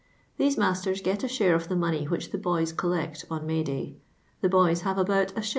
Thm ' masters get a share of the money which the hsnrt colhci on May day. The boys have about It.